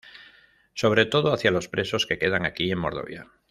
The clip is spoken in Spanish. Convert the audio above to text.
Sobre todo hacia los presos que quedan aquí y en Mordovia.